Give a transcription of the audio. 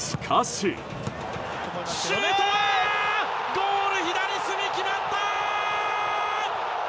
ゴール左隅、決まった！